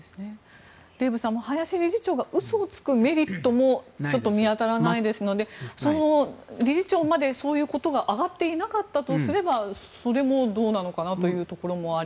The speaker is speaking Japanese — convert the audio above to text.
デーブさん林理事長が嘘をつくメリットもちょっと見当たらないですので理事長までそういうことが上がっていなかったとすればそれもどうなのかなというところもあり。